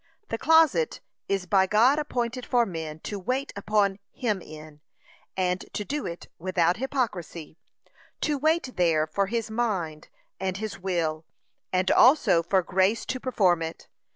The closet is by God appointed for men to wait upon him in, and to do it without hypocrisy; to wait there for his mind and his will, and also for grace to perform it.